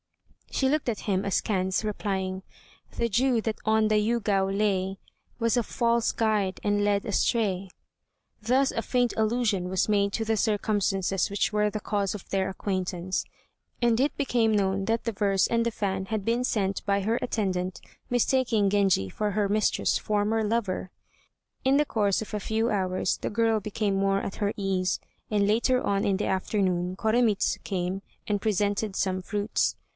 She looked at him askance, replying: "The dew that on the Yûgao lay, Was a false guide and led astray." Thus a faint allusion was made to the circumstances which were the cause of their acquaintance, and it became known that the verse and the fan had been sent by her attendant mistaking Genji for her mistress's former lover. In the course of a few hours the girl became more at her ease, and later on in the afternoon Koremitz came and presented some fruits.